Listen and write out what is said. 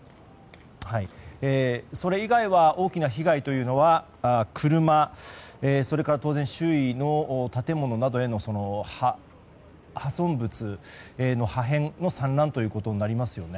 それ以外は大きな被害は車、周囲の建物などへの破損物の破片の散乱ということになりますよね。